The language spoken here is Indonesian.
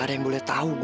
bayangkan lalu uda